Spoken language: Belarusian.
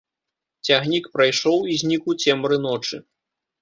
Цягнік прайшоў і знік у цемры ночы.